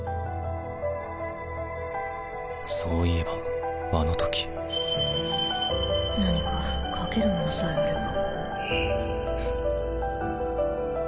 そういえばあの時何か書けるものさえあればフッ。